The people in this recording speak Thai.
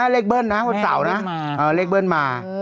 เลขเบิ้ลนะวันเสาร์นะเลขเบิ้ลมา